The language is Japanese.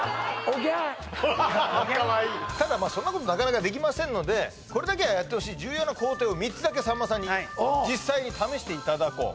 ただまあそんなことなかなかできませんのでこれだけはやってほしい重要な工程を３つだけさんまさんに実際に試していただこう